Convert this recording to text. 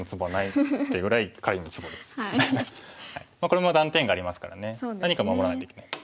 これも断点がありますからね何か守らないといけない。